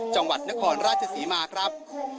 จังหวัดนครราชศรีมาครับ